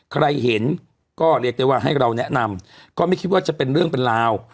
ใครเห็นก็เรียกได้ว่าให้เราแนะนำก็ไม่คิดว่าจะเป็นเรื่องเป็นราว